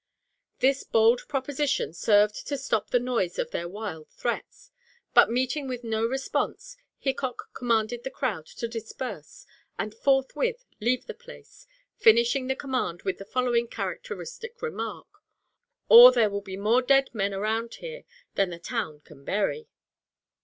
This bold proposition served to stop the noise of their wild threats, but meeting with no response, Hickok commanded the crowd to disperse and forthwith leave the place, finishing the command with the following characteristic remark, "Or there will be more dead men around here than the town can bury."